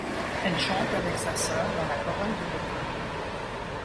Elle chante avec sa sœur dans la chorale de l'école.